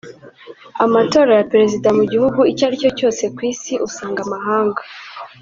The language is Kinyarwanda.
Amatora ya perezida mu gihugu icyo ari cyo cyose ku isi usanga amahanga